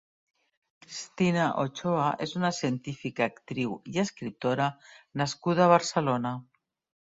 Christina Ochoa és una científica, actriu i escriptora nascuda a Barcelona.